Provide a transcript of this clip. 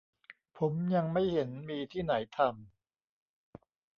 ผมยังไม่เห็นมีที่ไหนทำ